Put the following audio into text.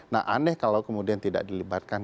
nah aneh kalau kemudian tidak dilibatkan